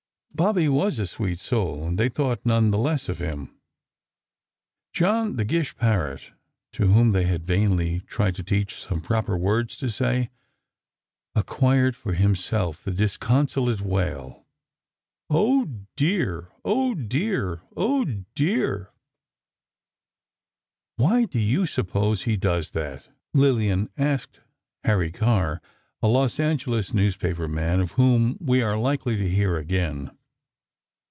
Bobby was a sweet soul, and they thought none the less of him. "John," the Gish parrot, to whom they had vainly tried to teach some proper things to say, acquired for himself the disconsolate wail: "Oh, dear! Oh, dear! Oh, dear!" "Why do you suppose he does that?" Lillian asked Harry Carr, a Los Angeles newspaper man, of whom we are likely to hear again.